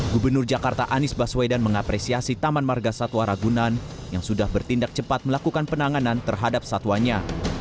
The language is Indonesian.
gubernur jakarta anies baswedan mengapresiasi taman marga satwa ragunan yang sudah bertindak cepat melakukan penanganan terhadap satwanya